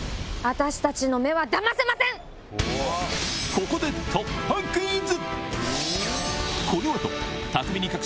ここで突破クイズ！